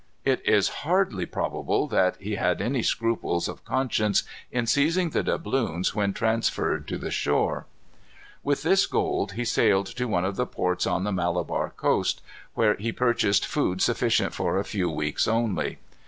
It is hardly probable that he had any scruples of conscience in seizing the doubloons when transferred to the shore. With this gold he sailed to one of the ports on the Malabar coast, where he purchased food sufficient for a few weeks only.